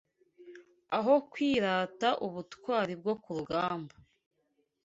Aho kwirata ubutwari bwo ku rugamba